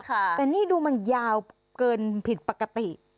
แต่นี่ดูมันยาวเกินผิดปกติ